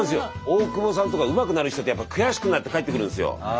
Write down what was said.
大久保さんとかうまくなる人って悔しくなって帰ってくるんですよ。